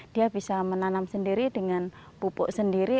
dia bisa menanam sendiri dengan pupuk sendiri